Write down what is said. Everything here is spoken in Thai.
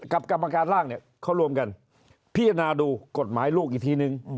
กรรมการร่างเนี่ยเขารวมกันพิจารณาดูกฎหมายลูกอีกทีนึง